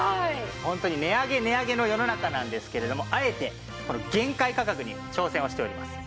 ホントに値上げ値上げの世の中なんですけれどもあえて限界価格に挑戦をしております。